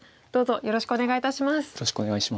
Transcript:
よろしくお願いします。